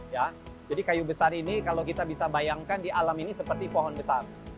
ya jadi kayu besar ini kalau kita bisa bayangkan di alam ini seperti pohon besar